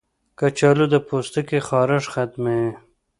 کچالو د پوستکي خارښ ختموي.